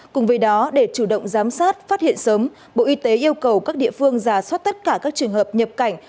cùng với đó để chủ động giám sát phát hiện sớm bộ y tế yêu cầu các địa phương giả soát tất cả các trường hợp nhập cảnh